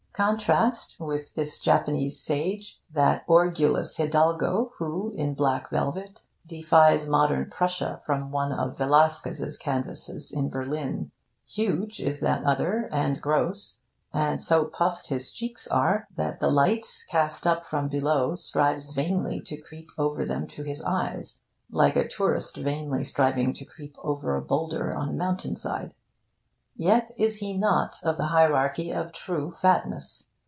Contrast with this Japanese sage that orgulous hidalgo who, in black velvet, defies modern Prussia from one of Velasquez's canvases in Berlin. Huge is that other, and gross; and, so puffed his cheeks are that the light, cast up from below, strives vainly to creep over them to his eyes, like a tourist vainly striving to creep over a boulder on a mountainside. Yet is he not of the hierarchy of true fatness.